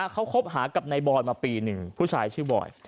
เขาคบหากับในบอยมาปี๑ผู้ชายชื่อบอย